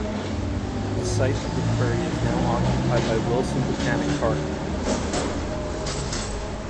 The site of the quarry is now occupied by Wilson Botanic Park.